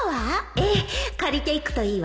ええ借りていくといいわ